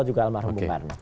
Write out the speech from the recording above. juga almarhum bung karna